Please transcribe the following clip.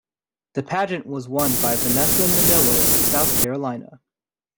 The pageant was won by Vanessa Minnillo of South Carolina.